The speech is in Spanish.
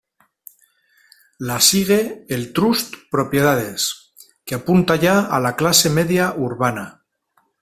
La sigue "El Trust Propiedades", que apunta ya a la clase media urbana.